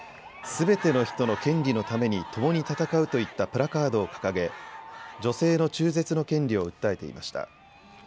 すべての人の権利のためにともに闘うといったプラカードを掲げ、女性の中絶の権利を訴えていました。